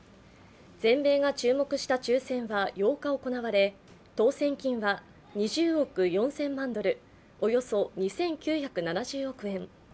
全米が注目した抽選は８日行われ、当選金は２０億４０００万ドル、およそ２９７０億円。